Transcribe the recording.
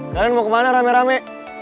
kalian mau ke mana rame rame